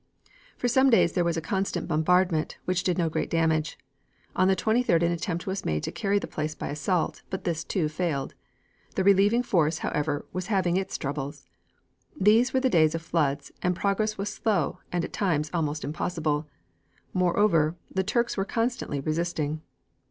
For some days there was constant bombardment, which did no great damage. On the 23d an attempt was made to carry the place by assault, but this too failed. The relieving force, however, was having its troubles. These were the days of floods, and progress was slow and at times almost impossible. Moreover, the Turks were constantly resisting.